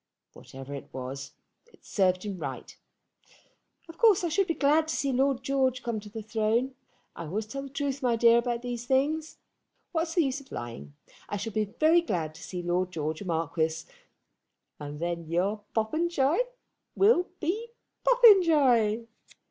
Whatever it was, it served him right. Of course I should be glad to see Lord George come to the throne. I always tell the truth, my dear, about these things. What is the use of lying. I shall be very glad to see Lord George a marquis, and then your Popenjoy will be Popenjoy.